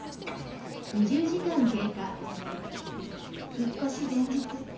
引っ越し前日。